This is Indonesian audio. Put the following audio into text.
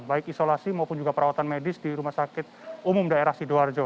baik isolasi maupun juga perawatan medis di rumah sakit umum daerah sidoarjo